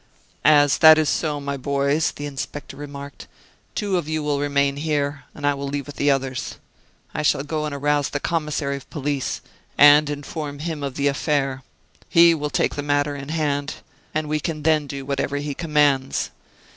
"As that is so, my boys," the inspector remarked, "two of you will remain here, and I will leave with the others. I shall go and arouse the commissary of police, and inform him of the affair; he will take the matter in hand: and we can then do whatever he commands.